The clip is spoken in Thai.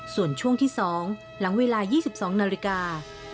ส่วนช่วงที่๒หลังเวลา๒๒นาฬิกา